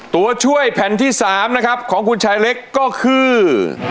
ตัวช่วยแผ่นที่๓นะครับของคุณชายเล็กก็คือ